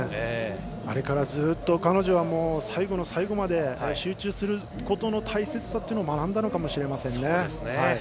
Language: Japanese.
あれからずっと、彼女は最後の最後まで集中することの大切さを学んだのかもしれないですね。